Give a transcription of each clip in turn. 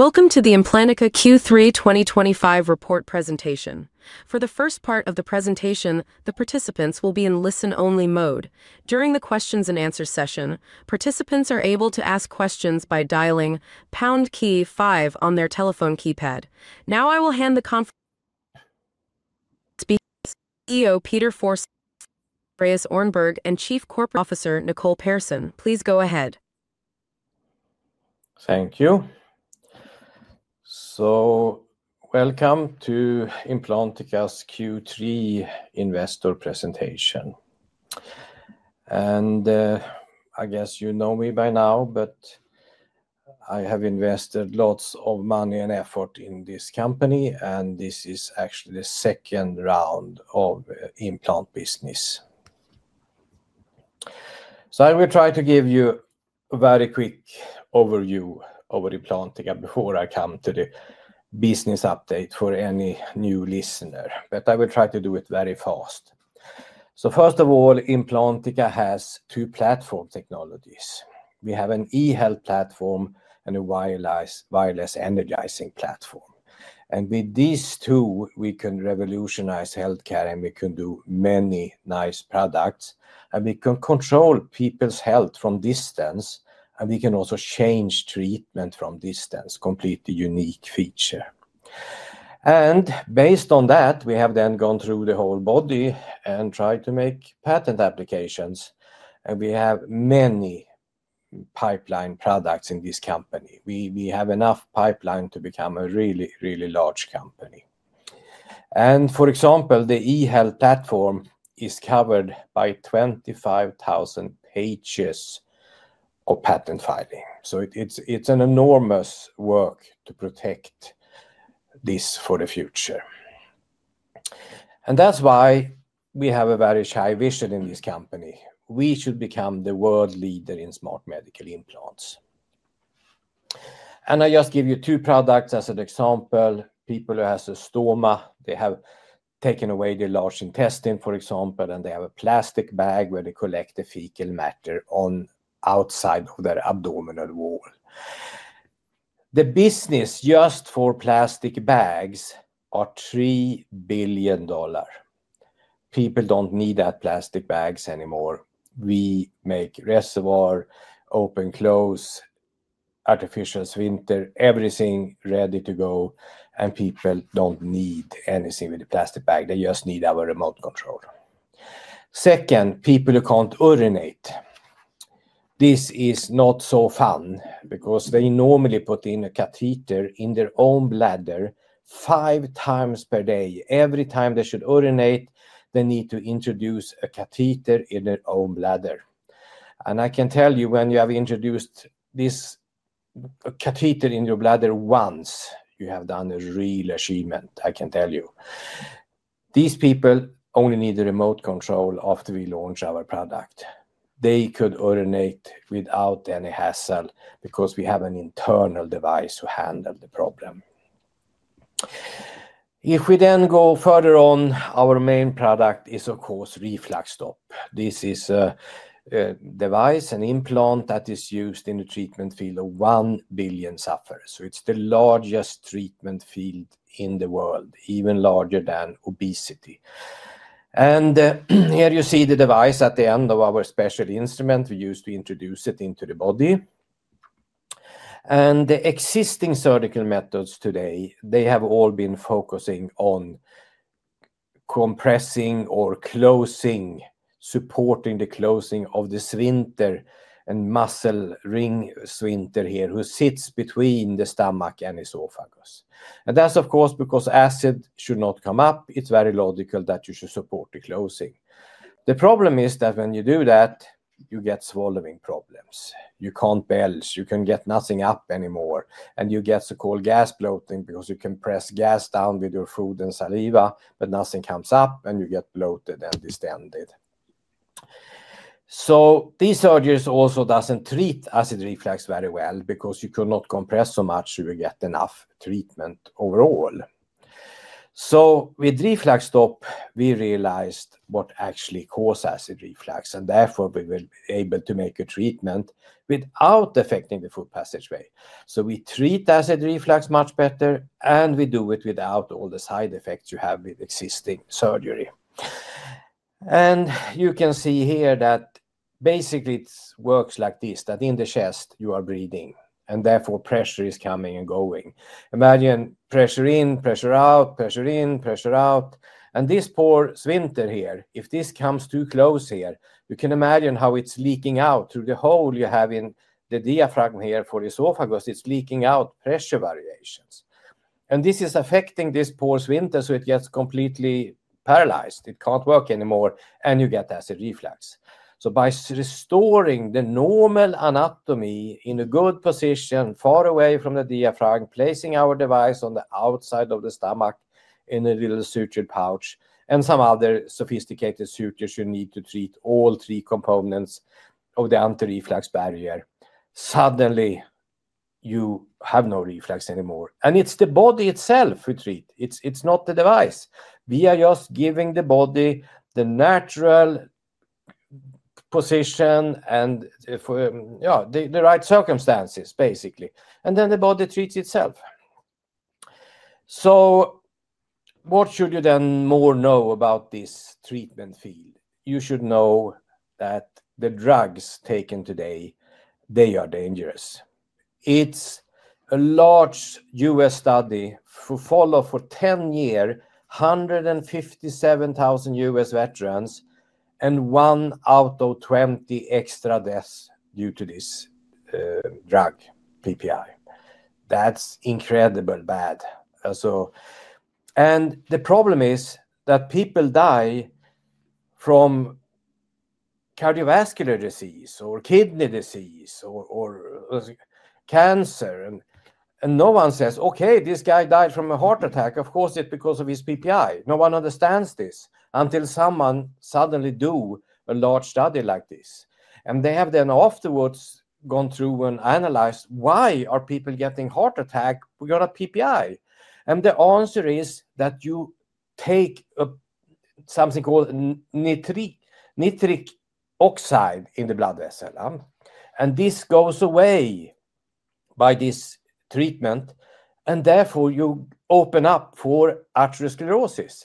Welcome to the Implantica Q3 2025 report presentation. For the first part of the presentation, the participants will be in listen-only mode. During the questions-and-answers session, participants are able to ask questions by dialing pound key five on their telephone keypad. Now I will hand the conference. Speakers: CEO Dr. Peter Forsell, Andreas Öhrnberg, and Chief Corporate Officer Nicole Pehrsson. Please go ahead. Thank you. Welcome to Implantica's Q3 investor presentation. I guess you know me by now, but I have invested lots of money and effort in this company, and this is actually the second round of implant business. I will try to give you a very quick overview of Implantica before I come to the business update for any new listener, but I will try to do it very fast. First of all, Implantica has two platform technologies. We have an eHealth platform and a wireless energizing platform. With these two, we can revolutionize healthcare and we can do many nice products, and we can control people's health from a distance, and we can also change treatment from a distance, which is a completely unique feature. Based on that, we have then gone through the whole body and tried to make patent applications, and we have many pipeline products in this company. We have enough pipeline to become a really, really large company. For example, the eHealth platform is covered by 25,000 pages of patent filing. It is an enormous work to protect this for the future. That is why we have a very shy vision in this company. We should become the world leader in smart medical implants. I just give you two products as an example. People who have stoma, they have taken away the large intestine, for example, and they have a plastic bag where they collect the fecal matter outside of their abdominal wall. The business just for plastic bags is $3 billion. People don't need plastic bags anymore. We make reservoir, open-close, artificial sphincter, everything ready to go, and people don't need anything with a plastic bag. They just need our remote control. Second, people who can't urinate. This is not so fun because they normally put in a catheter in their own bladder five times per day. Every time they should urinate, they need to introduce a catheter in their own bladder. I can tell you, when you have introduced this catheter in your bladder once, you have done a real achievement, I can tell you. These people only need a remote control after we launch our product. They could urinate without any hassle because we have an internal device to handle the problem. If we then go further on, our main product is, of course, RefluxStop. This is a device, an implant that is used in the treatment field of 1 billion sufferers. It is the largest treatment field in the world, even larger than obesity. Here you see the device at the end of our special instrument we use to introduce it into the body. The existing surgical methods today have all been focusing on compressing or closing, supporting the closing of the sphincter, a muscle-ring sphincter here who sits between the stomach and esophagus. That's, of course, because acid should not come up. It's very logical that you should support the closing. The problem is that when you do that, you get swallowing problems. You can't belch. You can't get nothing up anymore, and you get so-called gas bloating because you can press gas down with your food and saliva, but nothing comes up, and you get bloated and distended. This surgery also doesn't treat acid reflux very well because you cannot compress so much to get enough treatment overall. With RefluxStop, we realized what actually causes acid reflux, and therefore we were able to make a treatment without affecting the food passageway. We treat acid reflux much better, and we do it without all the side effects you have with existing surgery. You can see here that basically it works like this: in the chest, you are breathing, and therefore pressure is coming and going. Imagine pressure in, pressure out, pressure in, pressure out. This poor sphincter here, if this comes too close here, you can imagine how it's leaking out through the hole you have in the diaphragm here for the esophagus. It's leaking out pressure variations. This is affecting this poor sphincter, so it gets completely paralyzed. It can't work anymore, and you get acid reflux. By restoring the normal anatomy in a good position far away from the diaphragm, placing our device on the outside of the stomach in a little sutured pouch, and some other sophisticated sutures you need to treat all three components of the anti-reflux barrier, suddenly you have no reflux anymore. It's the body itself we treat. It's not the device. We are just giving the body the natural position and the right circumstances, basically, and then the body treats itself. What should you then more know about this treatment field? You should know that the drugs taken today, they are dangerous. It's a large U.S. study followed for 10 years, 157,000 U.S. veterans, and one out of 20 extra deaths due to this drug PPI. That's incredibly bad. The problem is that people die from cardiovascular disease or kidney disease or. Cancer, and no one says, "Okay, this guy died from a heart attack. Of course, it's because of his PPI." No one understands this until someone suddenly does a large study like this. They have then afterwards gone through and analyzed why are people getting heart attack because of PPI. The answer is that you take something called nitric oxide in the blood vessel, and this goes away by this treatment, and therefore you open up for atherosclerosis.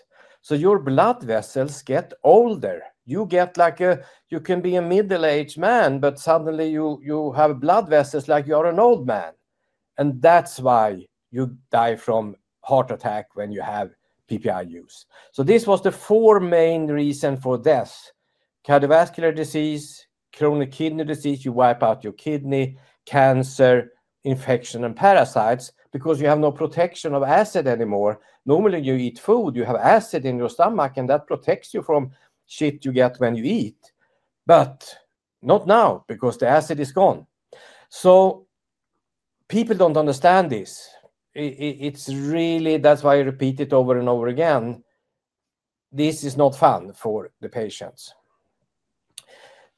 Your blood vessels get older. You get like a—you can be a middle-aged man, but suddenly you have blood vessels like you are an old man. That's why you die from heart attack when you have PPI use. This was the four main reasons for death: cardiovascular disease, chronic kidney disease—you wipe out your kidney, cancer, infection, and parasites—because you have no protection of acid anymore. Normally, you eat food, you have acid in your stomach, and that protects you from shit you get when you eat. Not now because the acid is gone. People don't understand this. That's why I repeat it over and over again. This is not fun for the patients.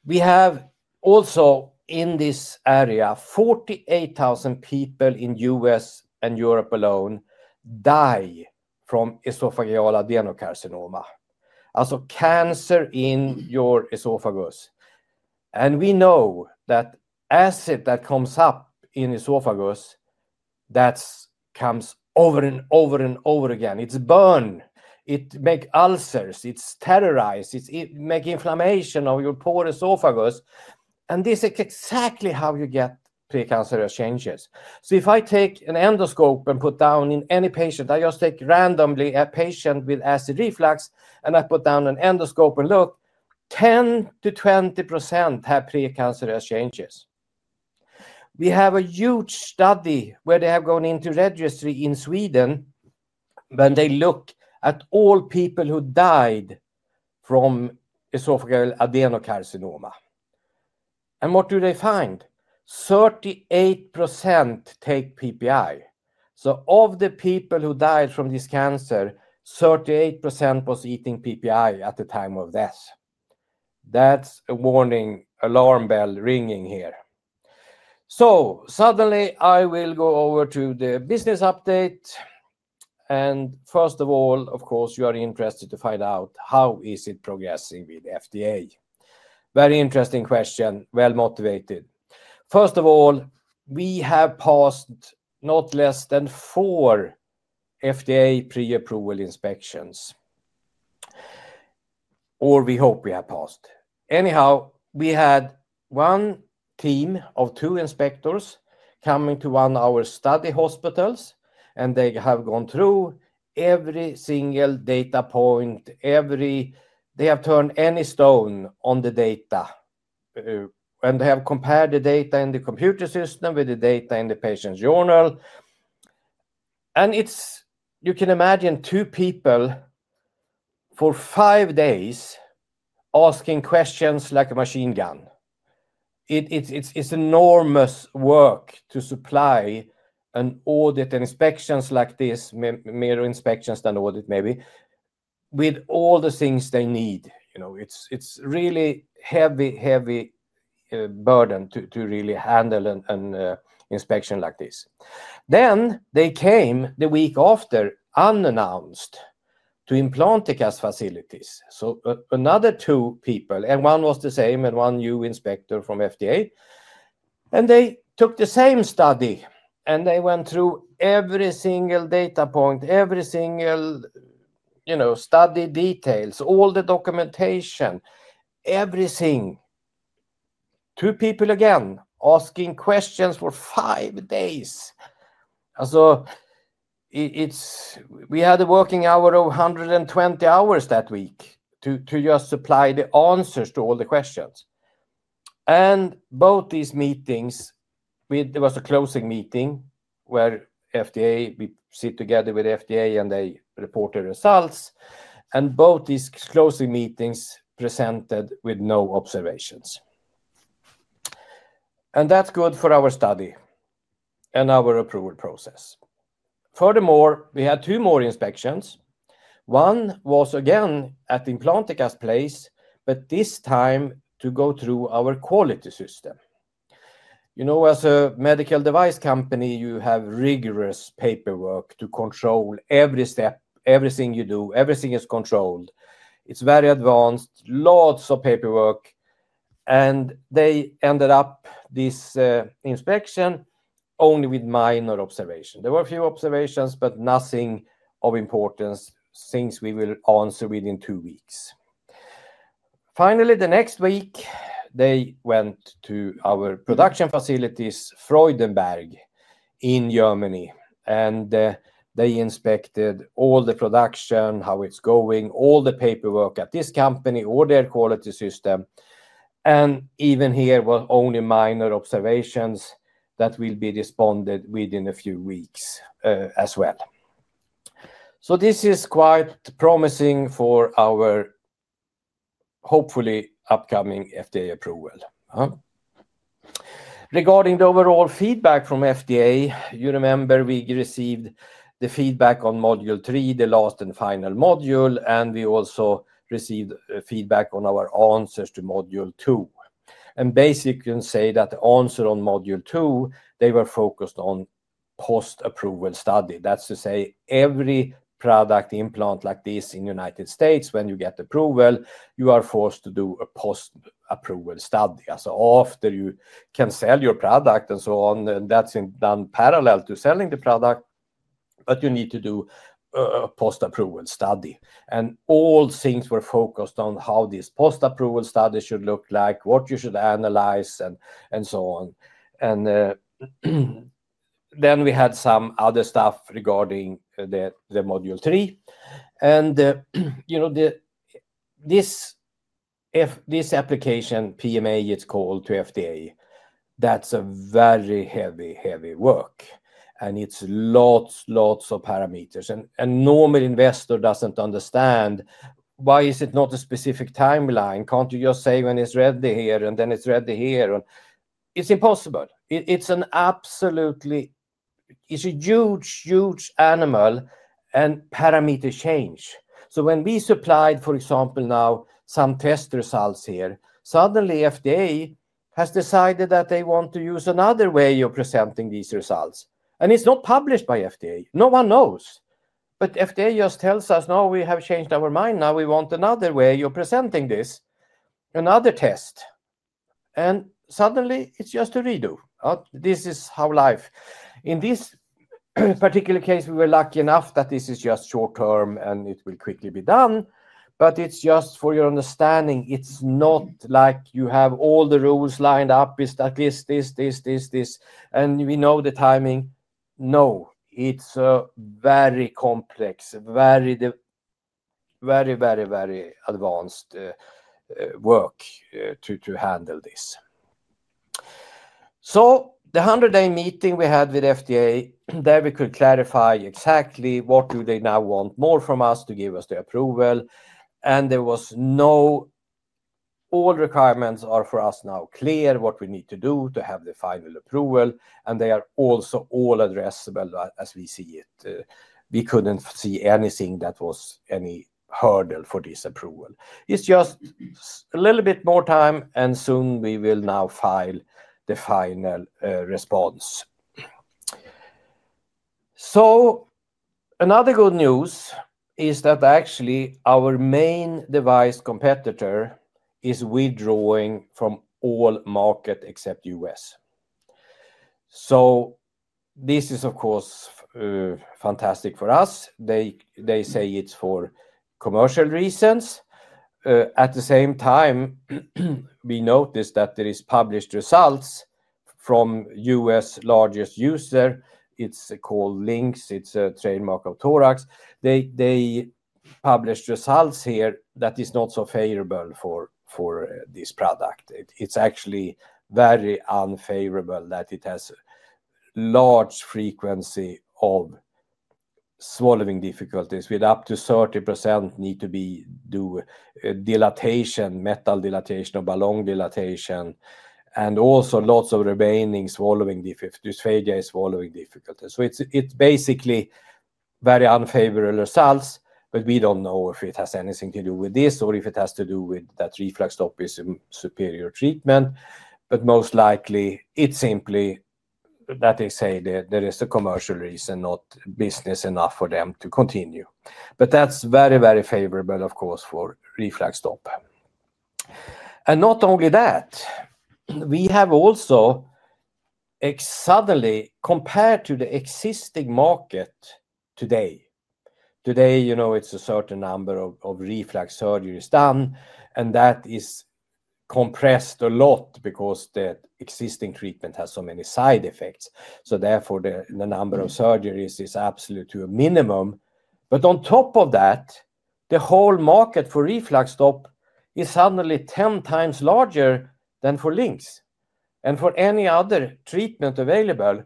We have also in this area, 48,000 people in the U.S. and Europe alone die from esophageal adenocarcinoma, also cancer in your esophagus. We know that acid that comes up in esophagus, that comes over and over and over again, it's burn. It makes ulcers. It's terrorized. It makes inflammation of your poor esophagus. This is exactly how you get precancerous changes. If I take an endoscope and put down in any patient, I just take randomly a patient with acid reflux, and I put down an endoscope and look, 10%-20% have precancerous changes. We have a huge study where they have gone into registry in Sweden. When they look at all people who died from esophageal adenocarcinoma. What do they find? 38% take PPI. Of the people who died from this cancer, 38% was eating PPI at the time of death. That's a warning alarm bell ringing here. I will go over to the business update. First of all, of course, you are interested to find out how is it progressing with FDA. Very interesting question, well motivated. First of all, we have passed not less than four FDA pre-approval inspections. Or we hope we have passed. Anyhow, we had one team of two inspectors coming to one of our study hospitals, and they have gone through every single data point. They have turned any stone on the data. They have compared the data in the computer system with the data in the patient's journal. You can imagine two people for five days asking questions like a machine gun. It's enormous work to supply an audit and inspections like this, more inspections than audit maybe, with all the things they need. It's really a heavy, heavy burden to really handle an inspection like this. They came the week after, unannounced, to Implantica's facilities. Another two people came, and one was the same and one new inspector from FDA. They took the same study and went through every single data point, every single study detail, all the documentation, everything. Two people again asking questions for five days. We had a working hour of 120 hours that week to just supply the answers to all the questions. Both these meetings had a closing meeting where FDA, we sit together with FDA and they reported results. Both these closing meetings presented with no observations. That's good for our study and our approval process. Furthermore, we had two more inspections. One was again at Implantica's place, but this time to go through our quality system. As a medical device company, you have rigorous paperwork to control every step, everything you do, everything is controlled. It's very advanced, lots of paperwork. They ended up this inspection only with minor observation. There were a few observations, but nothing of importance, things we will answer within two weeks. Finally, the next week, they went to our production facilities, Freudenberg in Germany. They inspected all the production, how it's going, all the paperwork at this company, all their quality system. Even here were only minor observations that will be responded within a few weeks as well. This is quite promising for our hopefully upcoming FDA approval. Regarding the overall feedback from FDA, you remember we received the feedback on module three, the last and final module, and we also received feedback on our answers to module two. Basically, you can say that the answer on module two, they were focused on post-approval study. That's to say every product implant like this in the United States, when you get approval, you are forced to do a post-approval study. After you can sell your product and so on, and that's done parallel to selling the product, but you need to do a post-approval study. All things were focused on how this post-approval study should look like, what you should analyze, and so on. Then we had some other stuff regarding the module three. This application, PMA, it's called to FDA, that's a very heavy, heavy work. It's lots, lots of parameters. A normal investor doesn't understand. Why is it not a specific timeline? Can't you just say when it's ready here and then it's ready here? It's impossible. It's absolutely a huge, huge animal and parameter change. When we supplied, for example, now some test results here, suddenly FDA has decided that they want to use another way of presenting these results. It's not published by FDA. No one knows. FDA just tells us, "No, we have changed our mind. Now we want another way of presenting this, another test." Suddenly it's just a redo. This is how life is. In this particular case, we were lucky enough that this is just short-term and it will quickly be done. It's just for your understanding, it's not like you have all the rules lined up with at least this, this, this, this, and we know the timing. No, it's a very complex, very, very, very, very advanced work to handle this. The 100-day meeting we had with FDA, there we could clarify exactly what do they now want more from us to give us the approval. There was no—all requirements are for us now clear what we need to do to have the final approval. They are also all addressable as we see it. We couldn't see anything that was any hurdle for this approval. It's just a little bit more time, and soon we will now file the final response. Another good news is that actually our main device competitor is withdrawing from all markets except the U.S. This is, of course, fantastic for us. They say it's for commercial reasons. At the same time, we noticed that there are published results from the U.S. largest user. It's called Linx. It's a trademark of Torax Medical. They published results here that are not so favorable for this product. It's actually very unfavorable that it has large frequency of swallowing difficulties with up to 30% need to be dilatation, metal dilatation or balloon dilatation, and also lots of remaining swallowing dysphagia and swallowing difficulties. It's basically very unfavorable results, but we don't know if it has anything to do with this or if it has to do with that RefluxStop is superior treatment. Most likely it's simply. They say there is a commercial reason, not business enough for them to continue. That's very, very favorable, of course, for RefluxStop. Not only that, we have also suddenly compared to the existing market today. Today, it's a certain number of reflux surgeries done, and that is compressed a lot because the existing treatment has so many side effects. Therefore, the number of surgeries is absolutely to a minimum. On top of that, the whole market for RefluxStop is suddenly 10x larger than for Linx and for any other treatment available.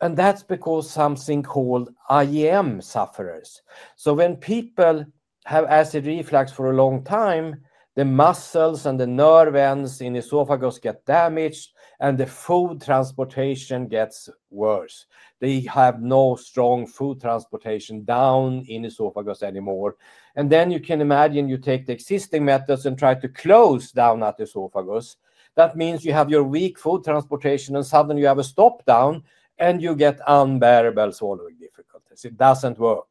That's because something called IEM sufferers. When people have acid reflux for a long time, the muscles and the nerve ends in the esophagus get damaged, and the food transportation gets worse. They have no strong food transportation down in the esophagus anymore. You can imagine you take the existing methods and try to close down at the esophagus. That means you have your weak food transportation, and suddenly you have a stop down, and you get unbearable swallowing difficulties. It doesn't work.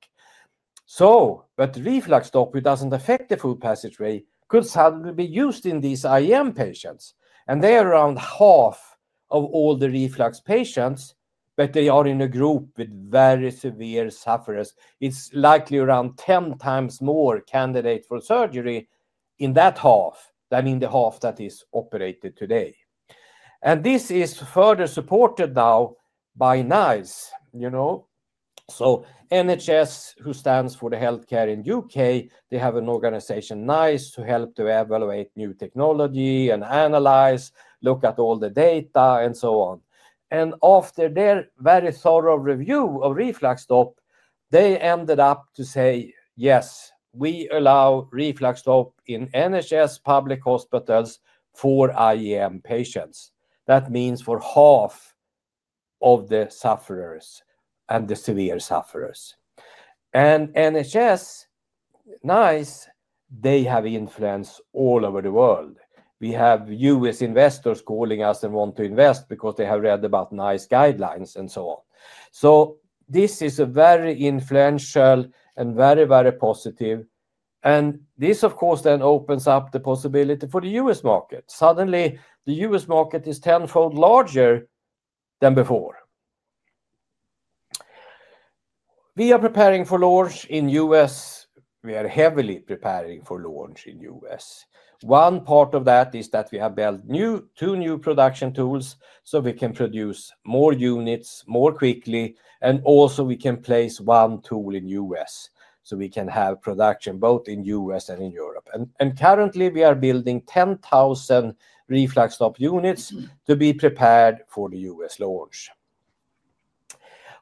RefluxStop, which doesn't affect the food passageway, could suddenly be used in these IEM patients. They are around half of all the reflux patients, but they are in a group with very severe sufferers. It's likely around 10x more candidates for surgery in that half than in the half that is operated today. This is further supported now by NICE. NHS, who stands for the healthcare in the U.K, they have an organization, NICE, to help to evaluate new technology and analyze, look at all the data, and so on. After their very thorough review of RefluxStop, they ended up to say, "Yes, we allow RefluxStop in NHS public hospitals for IEM patients." That means for half of the sufferers and the severe sufferers. NHS, NICE, they have influence all over the world. We have U.S. investors calling us and want to invest because they have read about NICE guidelines and so on. This is a very influential and very, very positive. This, of course, then opens up the possibility for the U.S. market. Suddenly, the U.S. market is tenfold larger than before. We are preparing for launch in the U.S. We are heavily preparing for launch in the U.S. One part of that is that we have built two new production tools so we can produce more units more quickly, and also we can place one tool in the U.S. so we can have production both in the U.S. and in Europe. Currently, we are building 10,000 RefluxStop units to be prepared for the U.S. launch.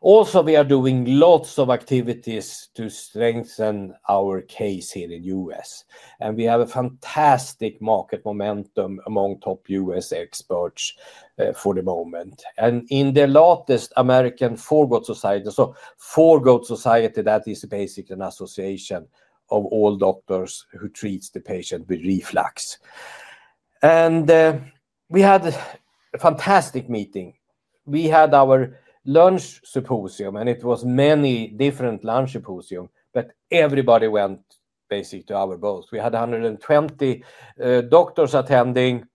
Also, we are doing lots of activities to strengthen our case here in the U.S. We have a fantastic market momentum among top U.S. experts for the moment. In the latest American Foregut Society, that is basically an association of all doctors who treat the patient with reflux, we had a fantastic meeting. We had our lunch symposium, and there were many different lunch symposiums, but everybody went basically to our booth. We had 120 doctors attending,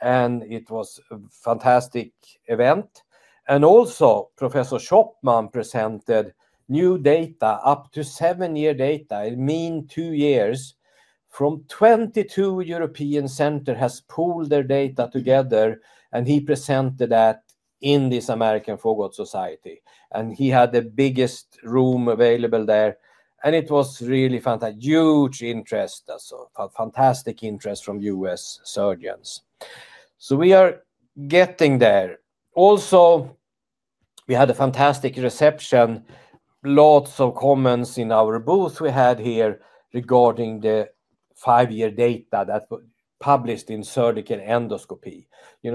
and it was a fantastic event. Also, Professor Schoppmann presented new data, up to seven-year data, in mean two years. From 22 European centers, they pulled their data together, and he presented that in this American Foregut Society. He had the biggest room available there. It was really fantastic, huge interest, fantastic interest from U.S. surgeons. We are getting there. We had a fantastic reception. Lots of comments in our booth regarding the five-year data that was published in Surgical Endoscopy.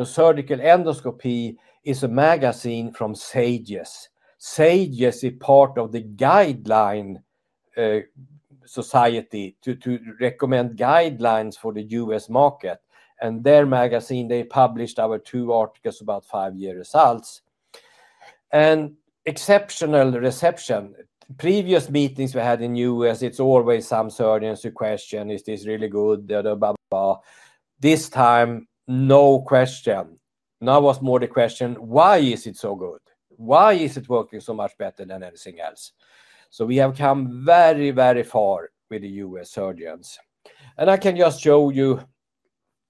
Surgical Endoscopy is a magazine from SAGES. SAGES is part of the guideline society to recommend guidelines for the U.S. market. In their magazine, they published our two articles about five-year results. Exceptional reception. Previous meetings we had in the U.S., it's always some surgeons who question, "Is this really good?" This time, no question. Now it was more the question, "Why is it so good? Why is it working so much better than anything else?" We have come very, very far with the U.S. surgeons. I can just show you.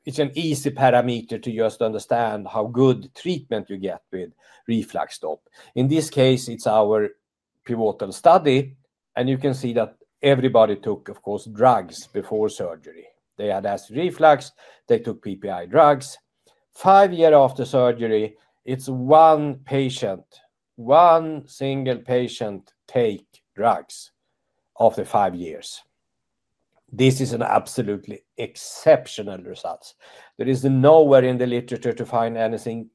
It's an easy parameter to just understand how good treatment you get with RefluxStop. In this case, it's our pivotal study. You can see that everybody took, of course, drugs before surgery. They had acid reflux. They took PPI drugs. Five years after surgery, it's one patient. One single patient takes drugs after five years. This is an absolutely exceptional result. There is nowhere in the literature to find anything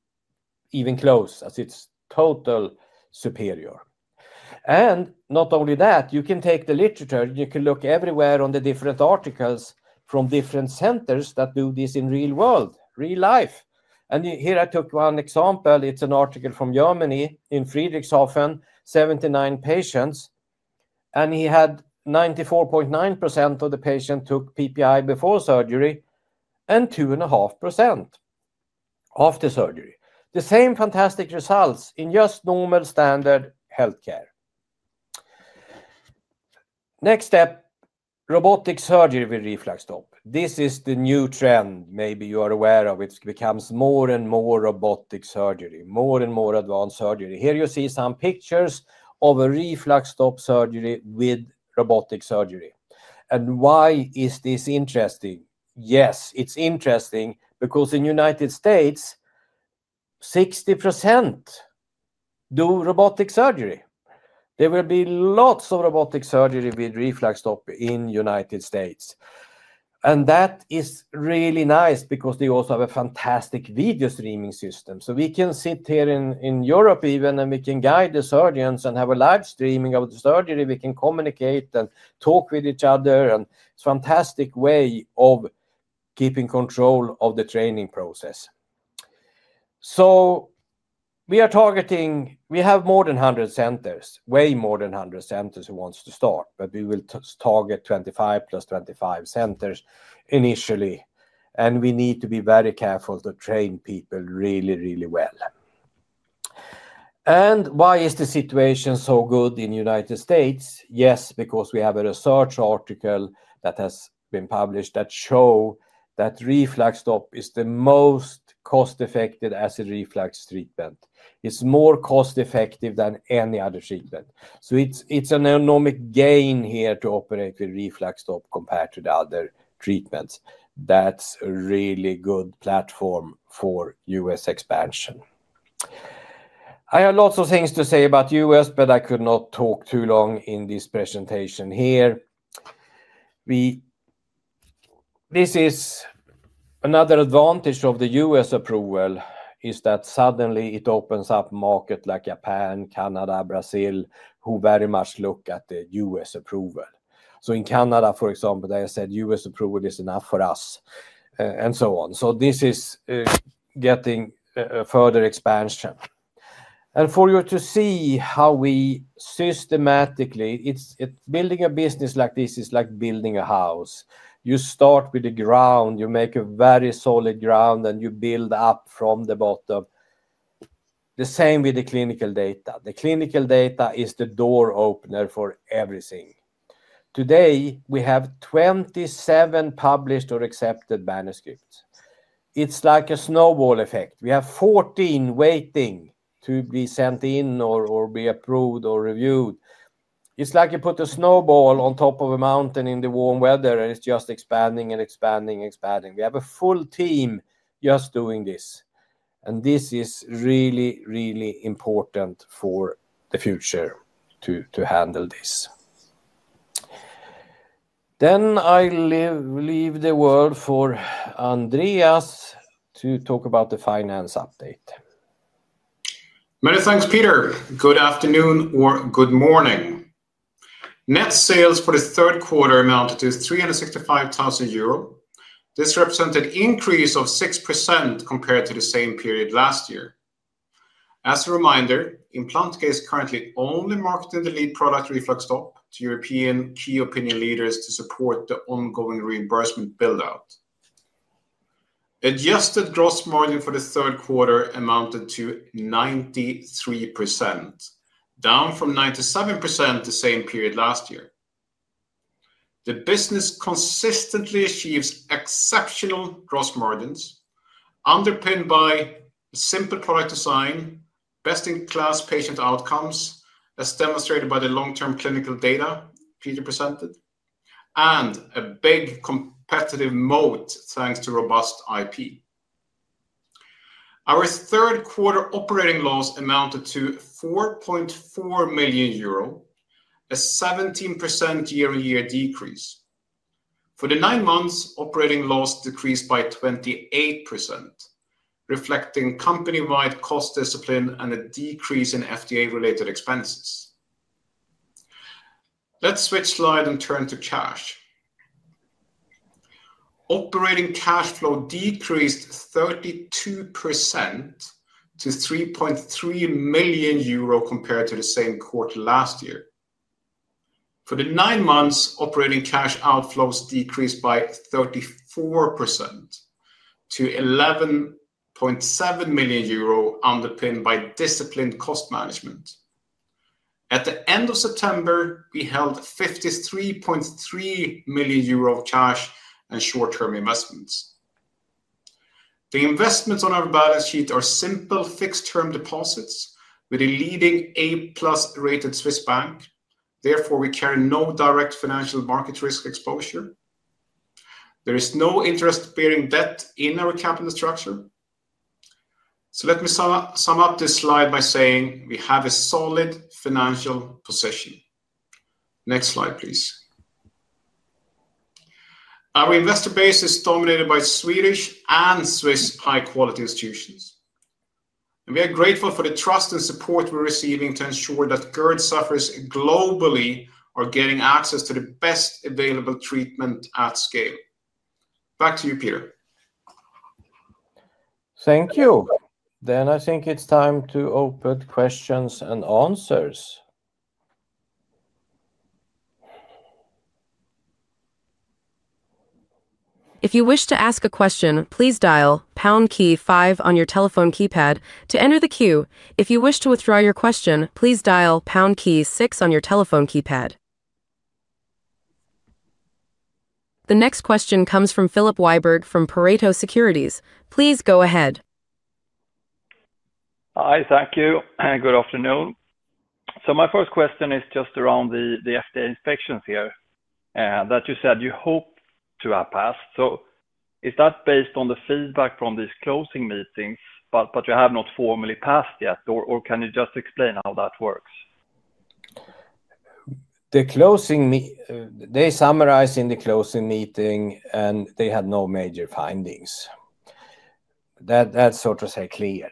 even close. It's totally superior. Not only that, you can take the literature. You can look everywhere on the different articles from different centers that do this in real world, real life. Here I took one example. It's an article from Germany in Friedrichshafen, 79 patients. He had 94.9% of the patients took PPI before surgery and 2.5% after surgery. The same fantastic results in just normal standard healthcare. Next step, robotic surgery with RefluxStop. This is the new trend. Maybe you are aware of it. It becomes more and more robotic surgery, more and more advanced surgery. Here you see some pictures of a RefluxStop surgery with robotic surgery. Why is this interesting? Yes, it's interesting because in the U.S., 60% do robotic surgery. There will be lots of robotic surgery with RefluxStop in the U.S., and that is really nice because they also have a fantastic video streaming system. We can sit here in Europe even, and we can guide the surgeons and have a live streaming of the surgery. We can communicate and talk with each other. It's a fantastic way of keeping control of the training process. We are targeting, we have more than 100 centers, way more than 100 centers who want to start, but we will target 25+25 centers initially. We need to be very careful to train people really, really well. Why is the situation so good in the U.S.? Yes, because we have a research article that has been published that shows that RefluxStop is the most cost-effective acid reflux treatment. It's more cost-effective than any other treatment. It's an economic gain here to operate with RefluxStop compared to the other treatments. That's a really good platform for U.S. expansion. I have lots of things to say about the U.S., but I could not talk too long in this presentation here. Another advantage of the U.S. approval is that suddenly it opens up markets like Japan, Canada, Brazil, who very much look at the U.S. approval. In Canada, for example, they said U.S. approval is enough for us, and so on. This is getting further expansion. For you to see how we systematically, it's building a business like this is like building a house. You start with the ground, you make a very solid ground, and you build up from the bottom. The same with the clinical data. The clinical data is the door opener for everything. Today, we have 27 published or accepted manuscripts. It's like a snowball effect. We have 14 waiting to be sent in or be approved or reviewed. It's like you put a snowball on top of a mountain in the warm weather, and it's just expanding and expanding and expanding. We have a full team just doing this. This is really, really important for the future to handle this. I leave the word for Andreas to talk about the finance update. Many thanks, Peter. Good afternoon or good morning. Net sales for the third quarter amounted to 365,000 euro. This represented an increase of 6% compared to the same period last year. As a reminder, Implantica is currently only marketing the lead product RefluxStop to European key opinion leaders to support the ongoing reimbursement build-out. Adjusted gross margin for the third quarter amounted to 93%, down from 97% the same period last year. The business consistently achieves exceptional gross margins, underpinned by simple product design, best-in-class patient outcomes, as demonstrated by the long-term clinical data Peter presented, and a big competitive moat thanks to robust IP. Our third quarter operating loss amounted to 4.4 million euro, a 17% year-on-year decrease. For the nine months, operating loss decreased by 28%, reflecting company-wide cost discipline and a decrease in FDA-related expenses. Let's switch slides and turn to cash. Operating cash flow decreased 32% to 3.3 million euro compared to the same quarter last year. For the nine months, operating cash outflows decreased by 34% to 11.7 million euro, underpinned by disciplined cost management. At the end of September, we held 53.3 million euro cash and short-term investments. The investments on our balance sheet are simple fixed-term deposits with a leading A-plus rated Swiss bank. Therefore, we carry no direct financial market risk exposure. There is no interest-bearing debt in our capital structure. Let me sum up this slide by saying we have a solid financial position. Next slide, please. Our investor base is dominated by Swedish and Swiss high-quality institutions, and we are grateful for the trust and support we're receiving to ensure that GERD sufferers globally are getting access to the best available treatment at scale. Back to you, Peter. Thank you. I think it's time to open questions and answers. If you wish to ask a question, please dial pound key five on your telephone keypad to enter the queue. If you wish to withdraw your question, please dial pound key six on your telephone keypad. The next question comes from Philip Weiberg from Pareto Securities. Please go ahead. Hi, thank you. Good afternoon. My first question is just around the FDA inspections here that you said you hope to have passed. Is that based on the feedback from these closing meetings, but you have not formally passed yet? Or can you just explain how that works? The closing. They summarized in the closing meeting, and they had no major findings. That's sort of clear.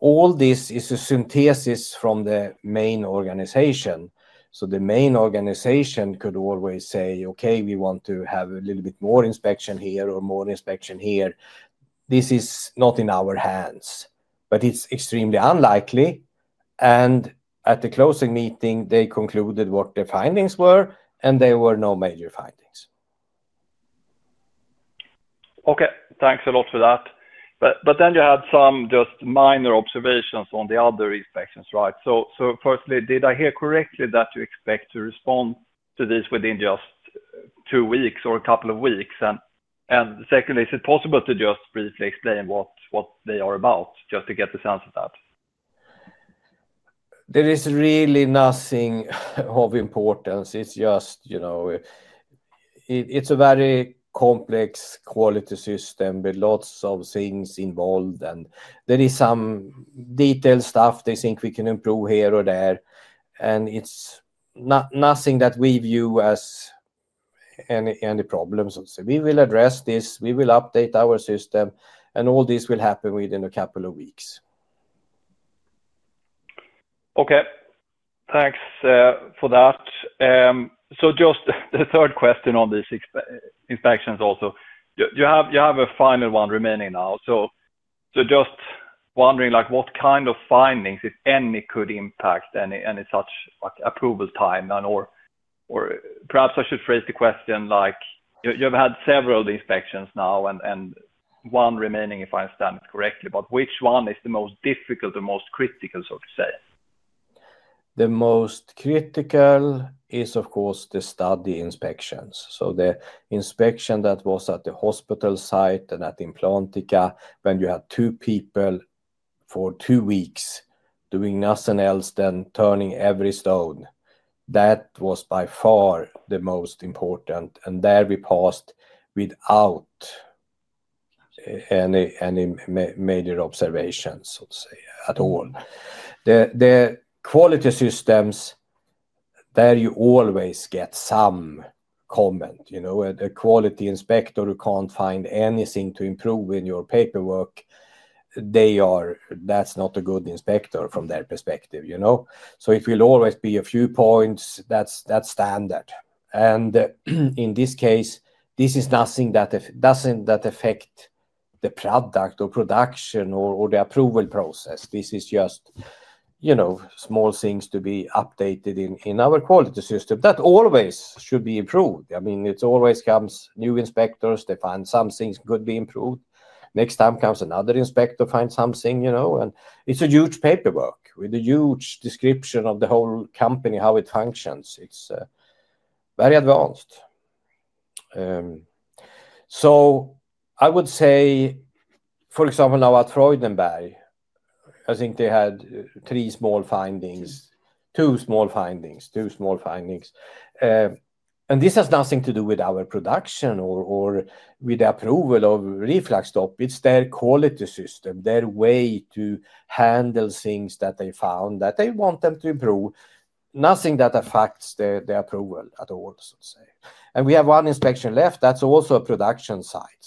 All this is a synthesis from the main organization. The main organization could always say, "Okay, we want to have a little bit more inspection here or more inspection here. This is not in our hands." It is extremely unlikely. At the closing meeting, they concluded what their findings were, and there were no major findings. Okay, thanks a lot for that. You had some just minor observations on the other inspections, right? Firstly, did I hear correctly that you expect to respond to these within just two weeks or a couple of weeks? Secondly, is it possible to just briefly explain what they are about, just to get the sense of that? There is really nothing of importance. It's just a very complex quality system with lots of things involved. There is some detailed stuff they think we can improve here or there. It's nothing that we view as any problem, so to say. We will address this. We will update our system, and all this will happen within a couple of weeks. Okay, thanks for that. Just the third question on these inspections also. You have a final one remaining now. Just wondering what kind of findings, if any, could impact any such approval timeline? Or perhaps I should phrase the question like you've had several inspections now and one remaining, if I understand it correctly. Which one is the most difficult or most critical, so to say? The most critical is, of course, the study inspections. The inspection that was at the hospital site and at Implantica, when you had two people for two weeks doing nothing else than turning every stone, that was by far the most important. There we passed without any major observations, so to say, at all. The quality systems, there you always get some comment. A quality inspector, you can't find anything to improve in your paperwork, that's not a good inspector from their perspective. It will always be a few points, that's standard. In this case, this is nothing that affects the product or production or the approval process. This is just small things to be updated in our quality system that always should be improved. It always comes new inspectors, they find something could be improved. Next time comes another inspector, finds something. It's a huge paperwork with a huge description of the whole company, how it functions. It's very advanced. I would say, for example, now at Freudenberg. I think they had three small findings, two small findings, two small findings. This has nothing to do with our production or with the approval of RefluxStop. It's their quality system, their way to handle things that they found that they want them to improve. Nothing that affects the approval at all, so to say. We have one inspection left that's also a production site.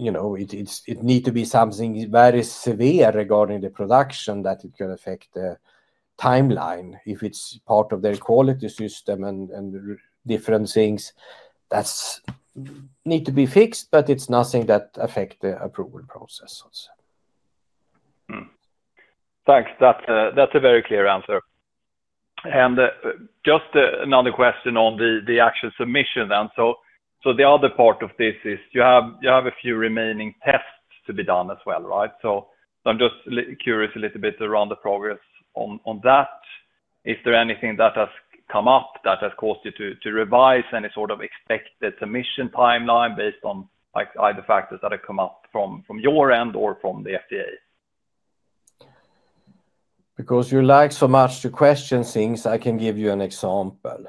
It needs to be something very severe regarding the production that it could affect the timeline if it's part of their quality system and different things that need to be fixed, but it's nothing that affects the approval process. That's a very clear answer. Just another question on the actual submission then. The other part of this is you have a few remaining tests to be done as well, right? I'm just curious a little bit around the progress on that. Is there anything that has come up that has caused you to revise any sort of expected submission timeline based on either factors that have come up from your end or from the FDA? Because you like so much to question things, I can give you an example.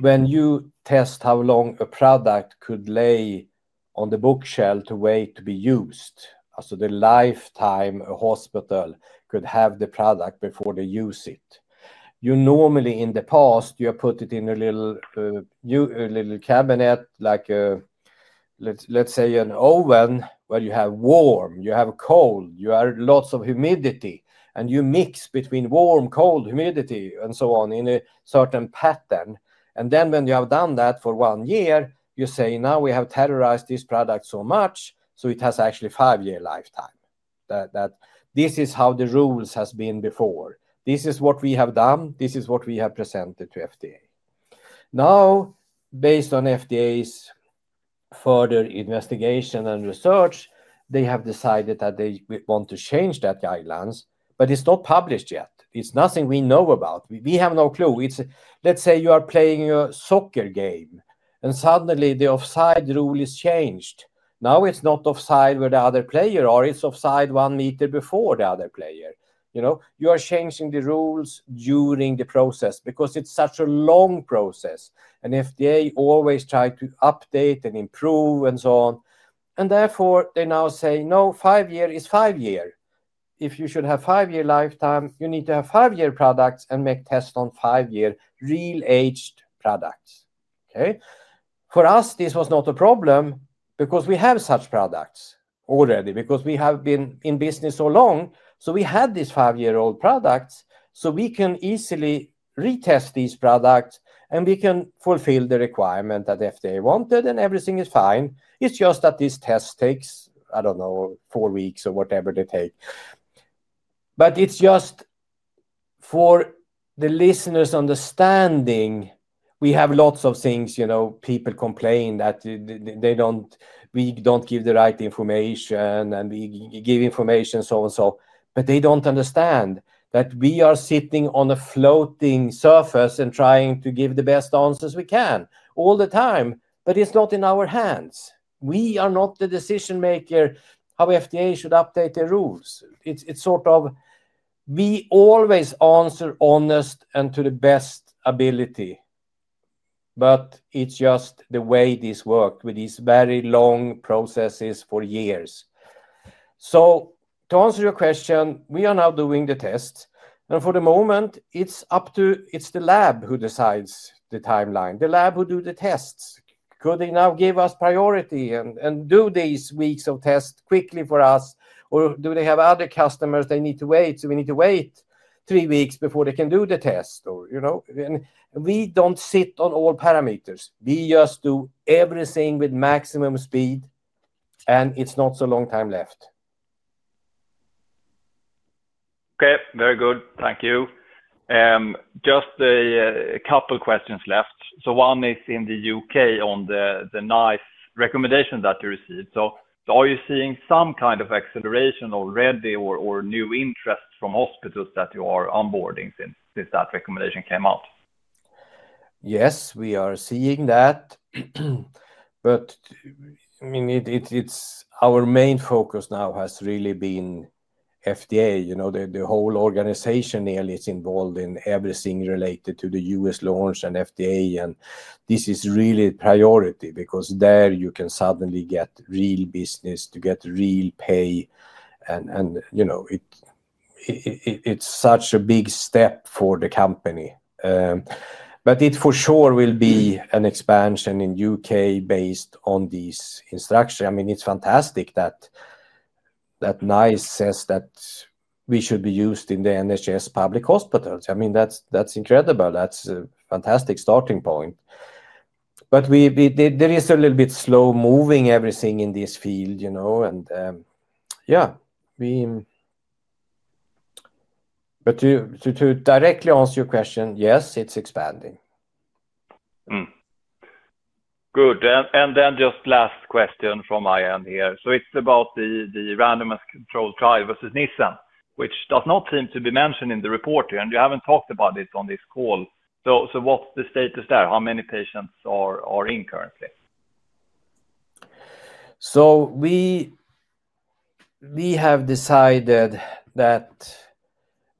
When you test how long a product could lay on the bookshelf to wait to be used, so the lifetime a hospital could have the product before they use it, you normally, in the past, have put it in a little cabinet, like, let's say an oven, where you have warm, you have cold, you have lots of humidity, and you mix between warm, cold, humidity, and so on in a certain pattern. When you have done that for one year, you say, "Now we have terrorized this product so much, so it has actually a five-year lifetime." This is how the rules have been before. This is what we have done. This is what we have presented to FDA. Now, based on FDA's further investigation and research, they have decided that they want to change that guidelines, but it's not published yet. It's nothing we know about. We have no clue. Let's say you are playing a soccer game, and suddenly the offside rule is changed. Now it's not offside where the other player is; it's offside one meter before the other player. You are changing the rules during the process because it's such a long process. FDA always tries to update and improve and so on. Therefore, they now say, "No, five years is five years. If you should have a five-year lifetime, you need to have five-year products and make tests on five-year real-aged products." Okay? For us, this was not a problem because we have such products already, because we have been in business so long. We had these five-year-old products, so we can easily retest these products, and we can fulfill the requirement that FDA wanted, and everything is fine. It's just that this test takes, I don't know, four weeks or whatever they take. For the listeners' understanding, we have lots of things. People complain that we don't give the right information, and we give information, so and so. They don't understand that we are sitting on a floating surface and trying to give the best answers we can all the time, but it's not in our hands. We are not the decision-maker how FDA should update their rules. We always answer honestly and to the best ability. It's just the way this worked with these very long processes for years. To answer your question, we are now doing the tests. For the moment, it's the lab who decides the timeline, the lab who does the tests. Could they now give us priority and do these weeks of tests quickly for us, or do they have other customers? They need to wait, so we need to wait three weeks before they can do the test. We don't sit on all parameters. We just do everything with maximum speed, and it's not so long time left. Okay. Very good. Thank you. Just a couple of questions left. One is in the U.K. on the NICE recommendation that you received. Are you seeing some kind of acceleration already or new interest from hospitals that you are onboarding since that recommendation came out? Yes, we are seeing that. Our main focus now has really been FDA. The whole organization nearly is involved in everything related to the U.S. launch and FDA, and this is really a priority because there you can suddenly get real business, to get real pay. It's such a big step for the company. It for sure will be an expansion in the U.K. based on these instructions. I mean, it's fantastic that NICE says that we should be used in the NHS public hospitals. I mean, that's incredible. That's a fantastic starting point. There is a little bit slow-moving everything in this field. To directly answer your question, yes, it's expanding. Good. Just last question from my end here. It's about the randomized controlled trial versus Nissen, which does not seem to be mentioned in the report here, and you haven't talked about it on this call. What's the status there? How many patients are in currently? We have decided that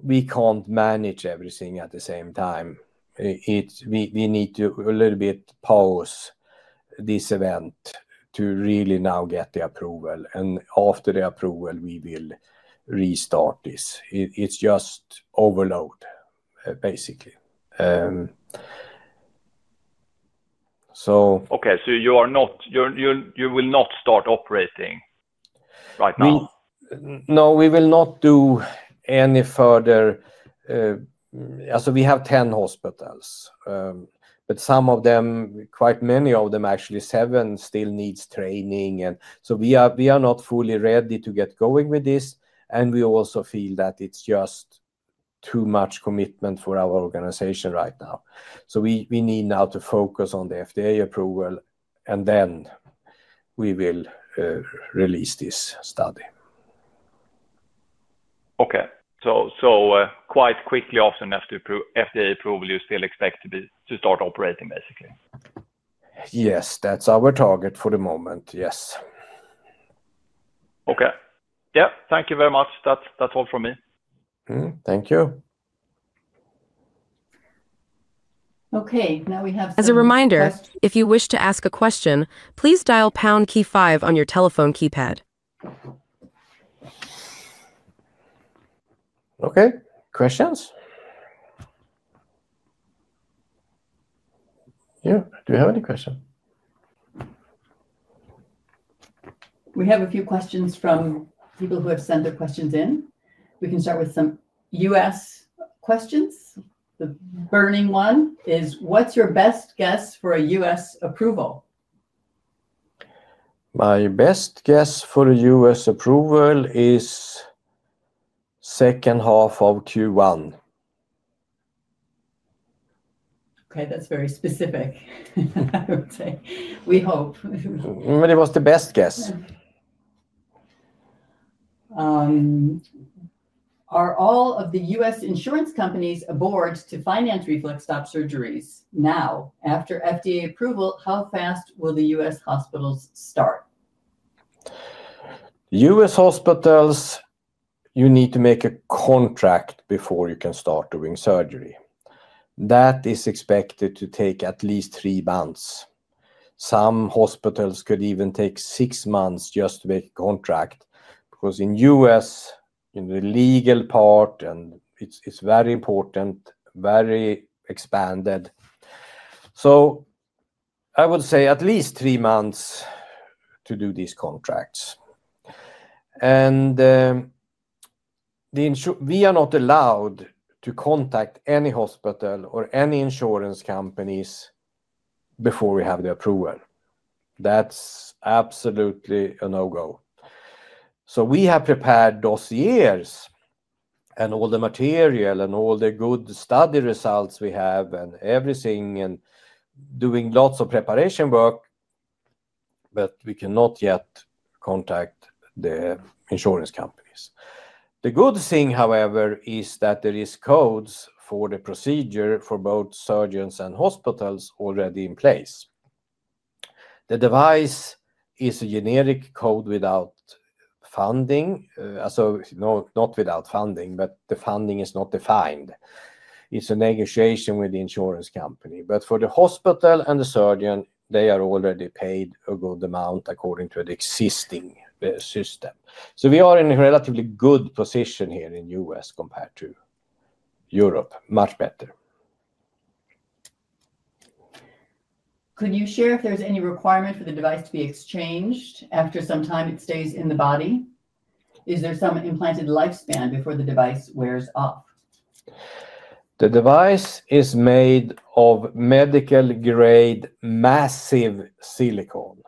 we can't manage everything at the same time. We need to a little bit pause this event to really now get the approval, and after the approval, we will restart this. It's just overload, basically. Okay. You will not start operating right now? No, we will not do any further. We have 10 hospitals, but some of them, quite many of them, actually 7, still need training, and we are not fully ready to get going with this. We also feel that it's just too much commitment for our organization right now. We need now to focus on the FDA approval, and then we will release this study. Okay. Quite quickly after FDA approval, you still expect to start operating, basically? Yes, that's our target for the moment. Yes. Okay. Yeah. Thank you very much. That's all from me. Thank you. Now we have some questions. As a reminder, if you wish to ask a question, please dial pound key five on your telephone keypad. Okay. Questions? Yeah. Do you have any questions? We have a few questions from people who have sent their questions in. We can start with some U.S. questions. The burning one is, what's your best guess for a U.S. approval? My best guess for a U.S. approval is second half of Q1. Okay. That's very specific. I would say we hope, but it was the best guess. Are all of the U.S. insurance companies aboard to finance RefluxStop surgeries now? After FDA approval, how fast will the U.S. hospitals start? U.S. hospitals, you need to make a contract before you can start doing surgery. That is expected to take at least three months. Some hospitals could even take six months just to make a contract because in the U.S., in the legal part, it's very important, very expanded. I would say at least three months to do these contracts. We are not allowed to contact any hospital or any insurance companies before we have the approval. That's absolutely a no-go. We have prepared dossiers and all the material, and all the good study results we have, and everything, and doing lots of preparation work, but we cannot yet contact the insurance companies. The good thing, however, is that there are codes for the procedure for both surgeons and hospitals already in place. The device is a generic code without funding. Not without funding, but the funding is not defined. It's a negotiation with the insurance company. For the hospital and the surgeon, they are already paid a good amount according to the existing system. We are in a relatively good position here in the U.S. compared to Europe, much better. Could you share if there's any requirement for the device to be exchanged after some time it stays in the body? Is there some implanted lifespan before the device wears off? The device is made of medical-grade massive silicon.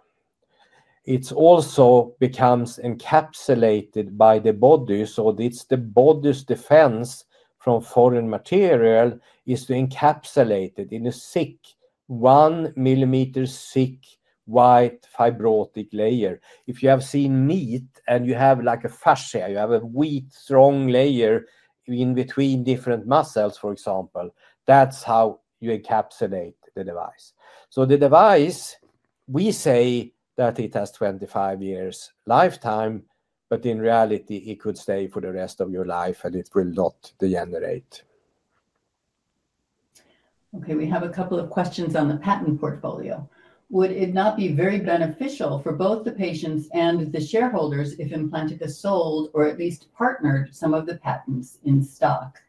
It also becomes encapsulated by the body. The body's defense from foreign material is encapsulation in a thick, one-millimeter thick white fibrotic layer. If you have seen meat and you have a fascia, you have a wheat-strong layer in between different muscles, for example, that's how you encapsulate the device. The device, we say that it has a 25-year lifetime, but in reality, it could stay for the rest of your life, and it will not degenerate. We have a couple of questions on the patent portfolio. Would it not be very beneficial for both the patients and the shareholders if Implantica AG sold or at least partnered some of the patents in stock?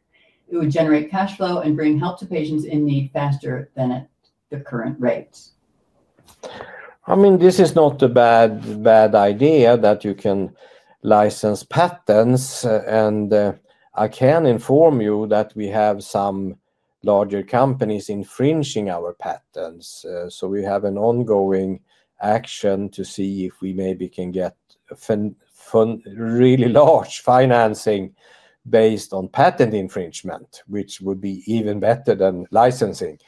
It would generate cash flow and bring help to patients in need faster than at the current rate. This is not a bad idea that you can license patents. I can inform you that we have some larger companies infringing our patents. We have an ongoing action to see if we maybe can get really large financing based on patent infringement, which would be even better than licensing.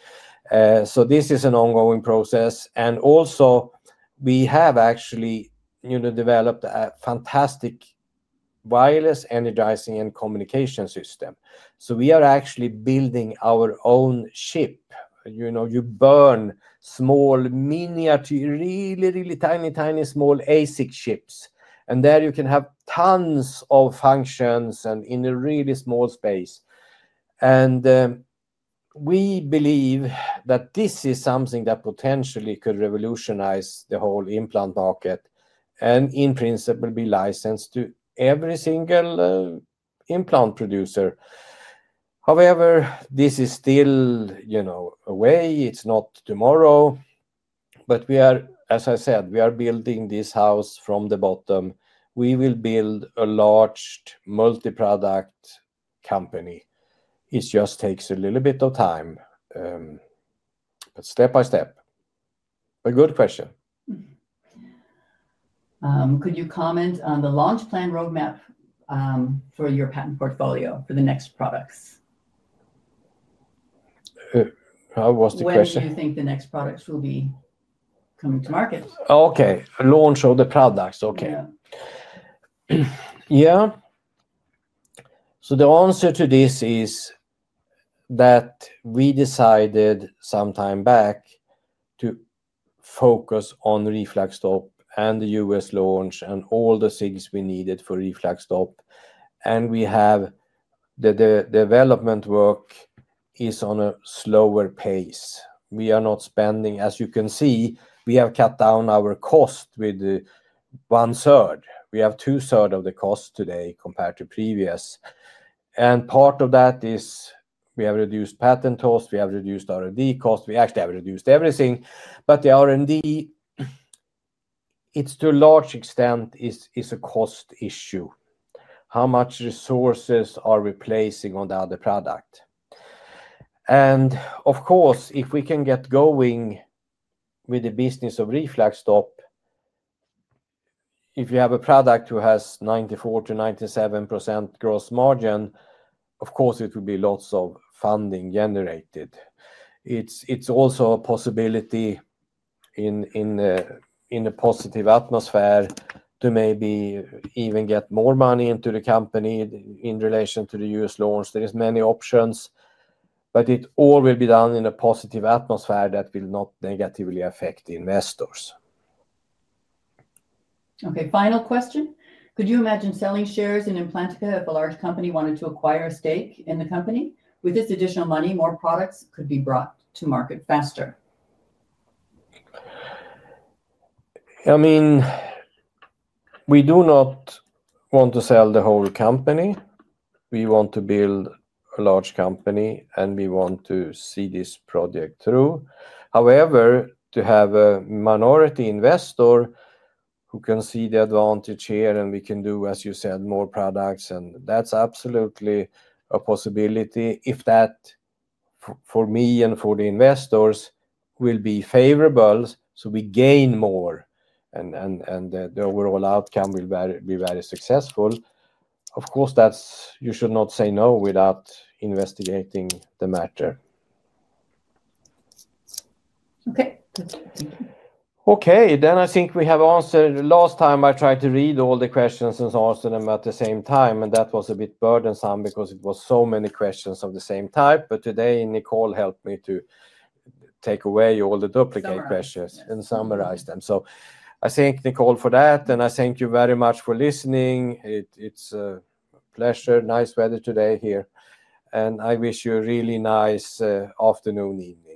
This is an ongoing process. We have actually developed a fantastic wireless energizing and communication system. We are actually building our own chip. You burn small, miniature, really, really tiny, tiny small ASIC chips. There you can have tons of functions in a really small space. We believe that this is something that potentially could revolutionize the whole implant market and, in principle, be licensed to every single implant producer. However, this is still a way. It's not tomorrow. As I said, we are building this house from the bottom. We will build a large multi-product company. It just takes a little bit of time, but step by step. A good question. Could you comment on the launch plan roadmap for your patent portfolio for the next products? How was the question? When do you think the next products will be coming to market? Launch of the products. The answer to this is that we decided some time back to focus on RefluxStop and the U.S. launch and all the things we needed for RefluxStop. The development work is on a slower pace. We are not spending, as you can see, we have cut down our cost by one-third. We have two-thirds of the cost today compared to previous. Part of that is we have reduced patent costs. We have reduced R&D costs. We actually have reduced everything. The R&D, to a large extent, is a cost issue. How much resources are we placing on the other product? If we can get going with the business of RefluxStop, if you have a product that has 94%-97% gross margin, of course, it will be lots of funding generated. It's also a possibility, in a positive atmosphere, to maybe even get more money into the company in relation to the U.S. launch. There are many options. It all will be done in a positive atmosphere that will not negatively affect investors. Okay. Final question. Could you imagine selling shares in Implantica if a large company wanted to acquire a stake in the company? With this additional money, more products could be brought to market faster. I mean, we do not want to sell the whole company. We want to build a large company, and we want to see this project through. However, to have a minority investor who can see the advantage here and we can do, as you said, more products, and that's absolutely a possibility if that, for me and for the investors, will be favorable so we gain more and the overall outcome will be very successful. Of course, you should not say no without investigating the matter. Okay. Thank you. I think we have answered. Last time I tried to read all the questions and answer them at the same time, and that was a bit burdensome because it was so many questions of the same type. Today, Nicole helped me to take away all the duplicate questions and summarize them. I thank Nicole for that, and I thank you very much for listening. It's a pleasure. Nice weather today here, and I wish you a really nice afternoon and evening.